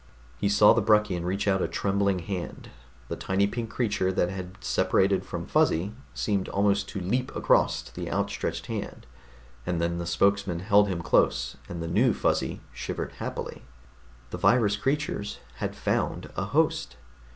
_ He saw the Bruckian reach out a trembling hand. The tiny pink creature that had separated from Fuzzy seemed almost to leap across to the outstretched hand. And then the spokesman held him close, and the new Fuzzy shivered happily. The virus creatures had found a host.